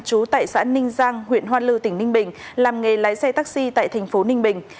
chú tại xã ninh giang huyện hoa lư tỉnh ninh bình làm nghề lái xe taxi tại thành phố ninh bình